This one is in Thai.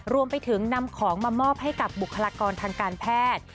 รวมไปถึงนำของมามอบให้กับบุคลากรทางการแพทย์